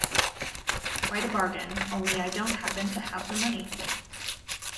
Quite a bargain, only I don't happen to have the money.